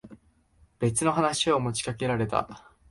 別の話を持ちかけられた。